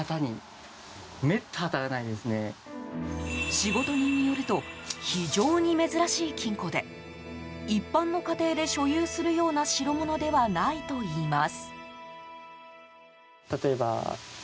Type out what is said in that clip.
仕事人によると非常に珍しい金庫で一般の家庭で所有するような代物ではないといいます。